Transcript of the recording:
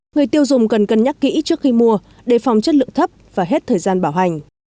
người tiêu dùng cần cân nhắc kỹ trước khi mua đề phòng chất lượng thấp và hết thời gian bảo hành